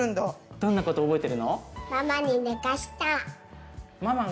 どんなこと覚えてるの？